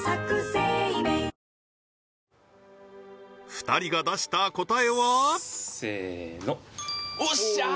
２人が出した答えは？せーのおっしゃー！